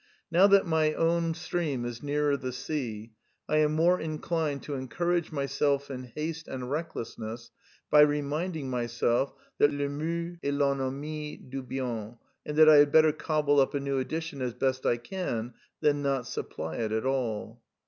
Now that my own X Preface : 1913 stream is nearer the sea, I am more inclined to encourage myself in haste and recklessness by re minding myself that le tnieux est I'ennetni du bien, and that I had better cobble up a new edition as best I can than not supply it at all.